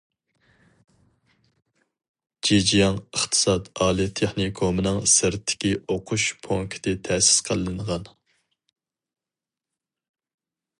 جېجياڭ ئىقتىساد ئالىي تېخنىكومىنىڭ سىرتتىكى ئوقۇش پونكىتى تەسىس قىلىنغان.